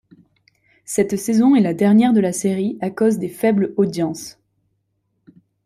Cette saison est la dernière de la série à cause des faibles audiences.